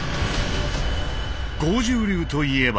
剛柔流といえば。